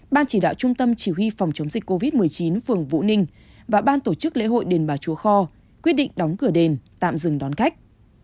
ban chỉ đạo trung tâm chỉ huy phòng chống dịch covid một mươi chín phường vũ ninh và ban tổ chức lễ hội đền bà chúa kho quyết định đóng cửa đền tạm dừng đón khách